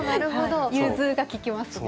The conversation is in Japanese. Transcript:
融通が利きますね。